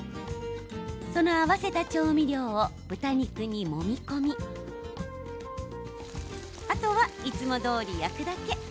その合わせた調味料を豚肉にもみ込みあとは、いつもどおり焼くだけ。